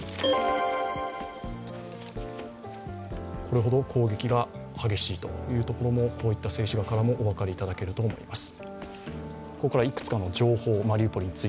これほど攻撃が激しいというところもこういった静止画からお分かりいただけると思います。